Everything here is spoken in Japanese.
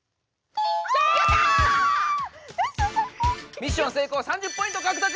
ミッション成功３０ポイントかくとく！